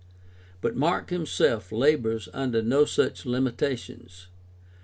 But Mark himself labors under no such limitations.